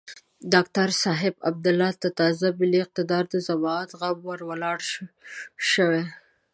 ډاکتر صاحب عبدالله ته تازه د ملي اقتدار د زعامت غم ور ولاړ شوی.